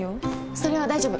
それは大丈夫。